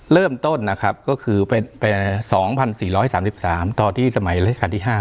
เริ่มต้นนะครับก็คือไป๒๔๓๓ตอนที่สมัยราชการที่๕